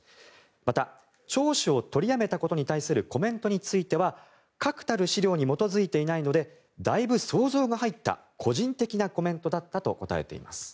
また聴取を取りやめたことに対するコメントについては確たる資料に基づいていないのでだいぶ想像が入った個人的なコメントだったと答えています。